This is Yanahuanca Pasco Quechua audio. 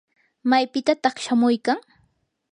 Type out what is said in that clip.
¿maypitataq shamuykan?